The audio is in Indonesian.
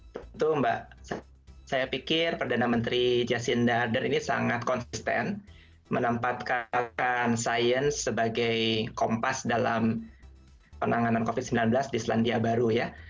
tentu mbak saya pikir perdana menteri justin darder ini sangat konsisten menempatkan sains sebagai kompas dalam penanganan covid sembilan belas di selandia baru ya